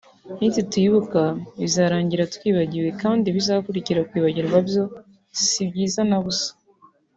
“Nitutibuka bizarangira twibagiwe kandi ibizakurikira kwibagirwa byo si byiza na busa”